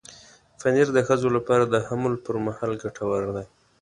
پنېر د ښځو لپاره د حمل پر مهال ګټور دی.